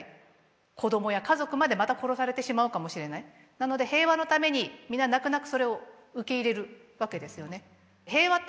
なので平和のために皆泣く泣くそれを受け入れるわけですよね。